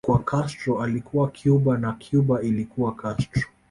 Kwao Castro alikuwa Cuba na Cuba ilikuwa Castro